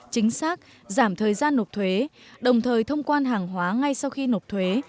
chính xác giảm thời gian nộp thuế đồng thời thông quan hàng hóa ngay sau khi nộp thuế